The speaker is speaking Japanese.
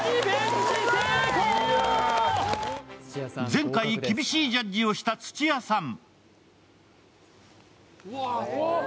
前回厳しいジャッジをした土屋さん。